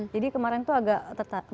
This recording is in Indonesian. jadi kemarin itu agak tertentu